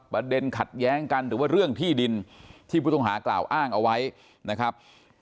ประเด็นขัดแย้งกันหรือว่าเรื่องที่ดินที่ผู้ต้องหากล่าวอ้างเอาไว้นะครับ